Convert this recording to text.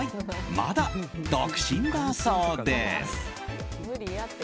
まだ独身だそうです。